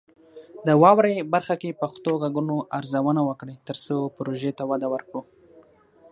د "واورئ" برخه کې پښتو غږونه ارزونه وکړئ، ترڅو پروژې ته وده ورکړو.